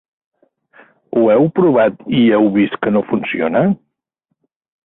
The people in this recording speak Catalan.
Ho heu provat i heu vist que no funciona?